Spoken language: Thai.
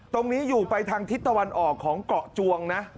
ตรงนี้อยู่ไปทางทิศตะวันออกของเกาะจวงนะ